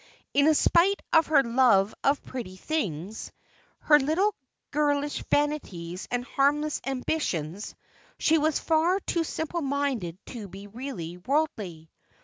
In spite of her love of pretty things, her little girlish vanities and harmless ambitions, she was far too simple minded to be really worldly.